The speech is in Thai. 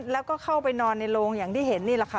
แล้วก็เข้าไปนอนในโรงอย่างที่เห็นนี่แหละค่ะ